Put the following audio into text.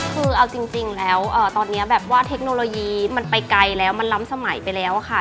คือเอาจริงแล้วตอนนี้แบบว่าเทคโนโลยีมันไปไกลแล้วมันล้ำสมัยไปแล้วค่ะ